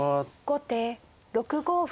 後手６五歩。